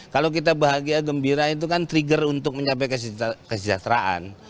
kalau kita bahagia gembira itu kan trigger untuk mencapai kesejahteraan